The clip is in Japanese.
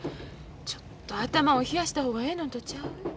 ちょっと頭を冷やした方がええのんとちゃう？